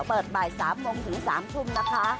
เปิดบ่าย๓โมงถึง๓ทุ่มนะคะ